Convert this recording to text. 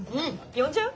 呼んじゃう？